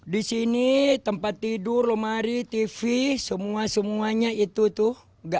di sini tempat tidur lemari tv semua semuanya itu tuh